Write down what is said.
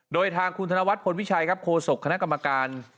โดยทางคุณธนวัฒนพลวิชัยครับโคศกคณะกรรมการ